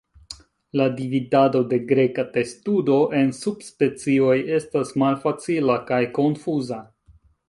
La dividado de Greka testudo en subspecioj estas malfacila kaj konfuza.